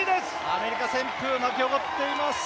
アメリカ旋風、巻き起こっています。